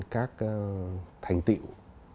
các thành tiệu